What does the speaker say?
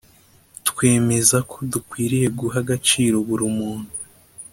twemeza ko dukwiriye guha agaciro burimuntu